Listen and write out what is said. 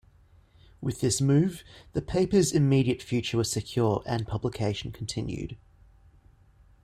With this move, the paper's immediate future was secure and publication continued.